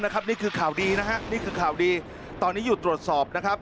นี่คือข่าวดีนะครับตอนนี้อยู่ตรวจสอบนะครับ